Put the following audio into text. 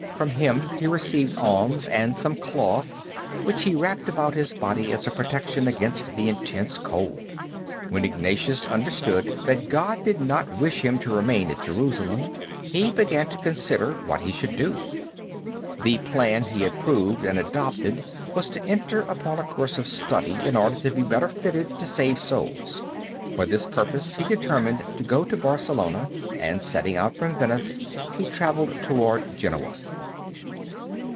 From him he received alms and some cloth, which he wrapped about his body as a protection against the intense cold. When Ignatius understood that God did not wish him to remain at Jerusalem, he began to consider what he should do. The plan he approved and adopted was to enter upon a course of study in order to be better fitted to save souls. For this purpose he determined to go to Barcelona, and setting out from Venice he traveled toward Genoa.